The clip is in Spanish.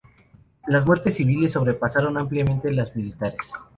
Las muertes civiles sobrepasaron ampliamente a las militares.